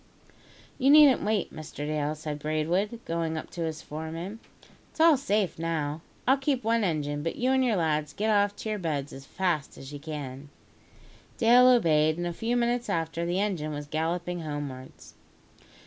"You needn't wait, Mr Dale," said Braidwood, going up to his foreman. "It's all safe now. I'll keep one engine; but you and your lads get off to your beds as fast as ye can." Dale obeyed, and a few minutes after, the engine was galloping homewards.